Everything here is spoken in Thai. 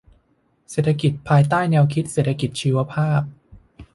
เศรษฐกิจภายใต้แนวคิดเศรษฐกิจชีวภาพ